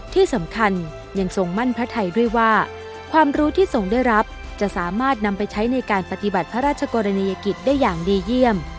ที่สำคัญยังทรงมั่นพระไทยด้วยว่าความรู้ที่ทรงได้รับจะสามารถนำไปใช้ในการปฏิบัติพระราชกรณียกิจได้อย่างดีเยี่ยม